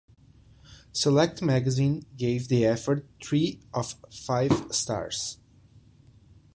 "Select" magazine gave the effort three out of five stars.